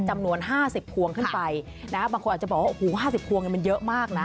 จำนวนห้าสิบพวงขึ้นไปนะคะบางคนอาจจะบอกว่าโอ้โหห้าสิบพวงเนี่ยมันเยอะมากน่ะ